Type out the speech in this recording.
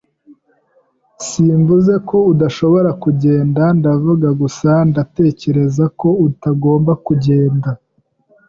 Simvuze ko udashobora kugenda. Ndavuga gusa ndatekereza ko utagomba kugenda.